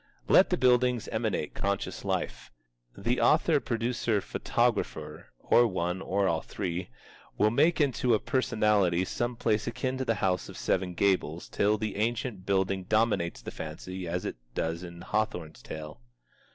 Let the buildings emanate conscious life. The author producer photographer, or one or all three, will make into a personality some place akin to the House of the Seven Gables till the ancient building dominates the fancy as it does in Hawthorne's tale.